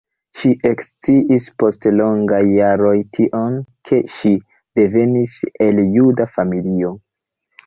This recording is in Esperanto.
Ŝi eksciis post longaj jaroj tion, ke ŝi devenis el juda familio.